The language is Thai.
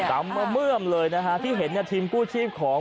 กลับมาเมื่อมเลยนะครับที่เห็นทีมกู้ชีพของ